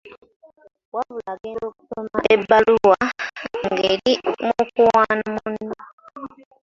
Wabula agenda okusoma ebbaluwa nga eri mu kuwaana munne.